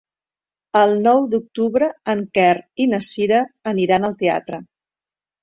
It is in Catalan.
El nou d'octubre en Quer i na Cira aniran al teatre.